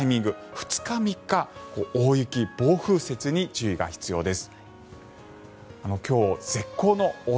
２日、３日大雪、暴風雪に注意が必要です。